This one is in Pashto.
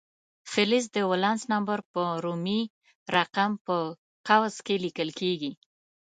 فلز د ولانس نمبر په رومي رقم په قوس کې لیکل کیږي.